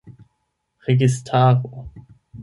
registaro